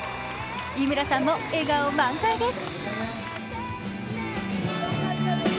井村さんも笑顔満載です。